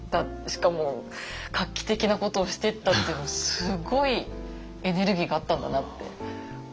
しかも画期的なことをしてったっていうのはすごいエネルギーがあったんだなって思いますね。